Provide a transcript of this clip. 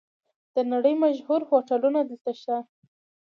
د نړۍ مشهور هوټلونه دلته شته.